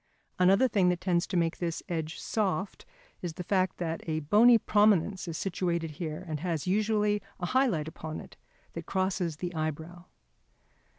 Another thing that tends to make this edge soft is the fact that a bony prominence is situated here and has usually a high light upon it that crosses the eyebrow.